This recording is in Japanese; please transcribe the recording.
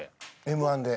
Ｍ−１で。